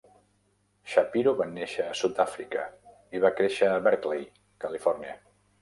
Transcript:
Shapiro va néixer a Sud-àfrica i va créixer a Berkeley, Califòrnia.